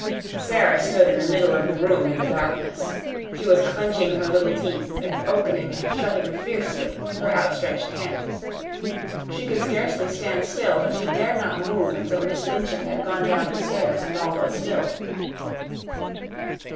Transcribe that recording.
Sara stood in the middle of the room in the darkness. She was clenching her little teeth and opening and shutting fiercely her outstretched hands. She could scarcely stand still, but she dared not move until Miss Minchin had gone down the stairs and all was still.